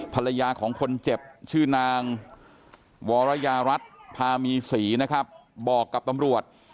ภรรยาของคนเจ็บชื่อนางวรยารัฐพามีศรีนะครับบอกกับตำรวจ